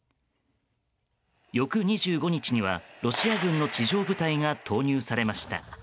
翌２５日にはロシア軍の地上部隊が投入されました。